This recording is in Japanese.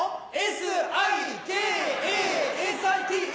Ｓ・Ｉ・Ｋ・Ａ・Ｓ・Ｉ・Ｔ・Ｅ！